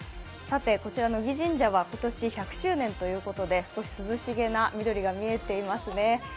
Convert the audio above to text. こちら乃木神社は今年１００周年ということで少し涼しげな緑が見えていますね。